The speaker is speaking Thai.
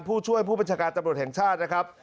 ผู้ช่วยผู้บัญชาการตำรวจแห่งชาตินะครับ